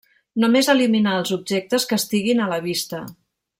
Només eliminar els objectes que estiguin a la vista.